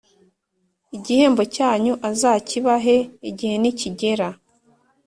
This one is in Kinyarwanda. igihembo cyanyu azakibahe igihe nikigera.